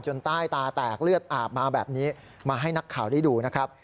ใต้ตาแตกเลือดอาบมาแบบนี้มาให้นักข่าวได้ดูนะครับ